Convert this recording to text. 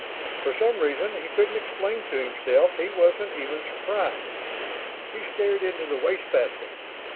For some reason he couldn't explain to himself, he wasn't even surprised. He stared into the wastebasket.